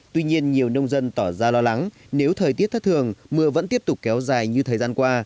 tuy nhiên nhiều nông dân tỏ ra lo lắng nếu thời tiết thất thường mưa vẫn tiếp tục kéo dài như thời gian qua